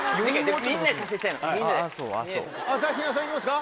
あぁそう。朝日奈さんいきますか？